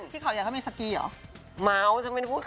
ก็คือต้องล๊อกคิวมาตั้งแต่ปีที่แล้ว